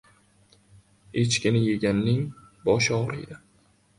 • Echkini yeganning boshi og‘riydi.